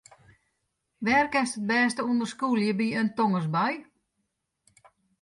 Wêr kinst it bêste ûnder skûlje by in tongerbui?